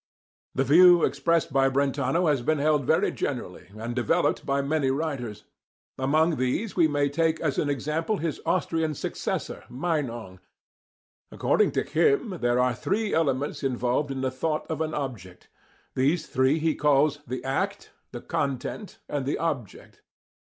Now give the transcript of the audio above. The view expressed by Brentano has been held very generally, and developed by many writers. Among these we may take as an example his Austrian successor Meinong.* According to him there are three elements involved in the thought of an object. These three he calls the act, the content and the object.